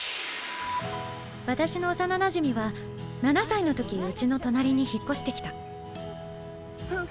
私の幼なじみは７歳の時うちの隣に引っ越してきたフン！